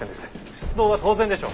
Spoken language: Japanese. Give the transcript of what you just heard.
出動は当然でしょ。